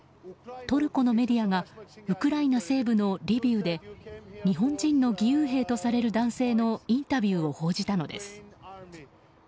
トルコのメディアがウクライナ西部のリビウで日本人の義勇兵とされる男性のインタビューを報じたのです。